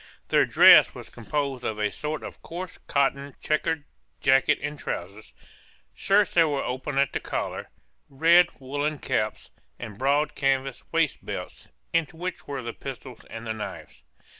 Their dress was composed of a sort of coarse cotton chequered jacket and trowsers, shirts that were open at the collar, red woollen caps, and broad canvas waistbelts, in which were the pistols and the knives.